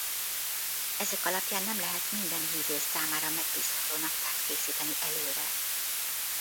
Ezek alapján nem lehet minden hívő számára megbízható naptárt készíteni előre.